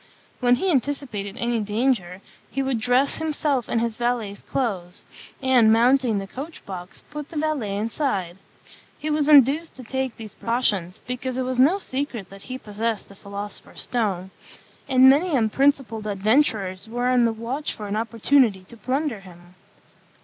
When he anticipated any danger, he would dress himself in his valet's clothes, and, mounting the coach box, put the valet inside. He was induced to take these precautions, because it was no secret that he possessed the philosopher's stone; and many unprincipled adventurers were on the watch for an opportunity to plunder him.